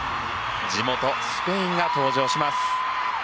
地元スペインが登場します。